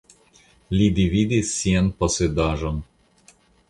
Li dividis sian posedaĵon.